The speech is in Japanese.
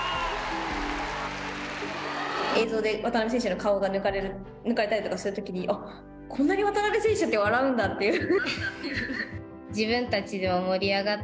映像で渡部選手の顔を抜かれたりとかするときにあっ、こんなに渡部選手って笑うんだっていう。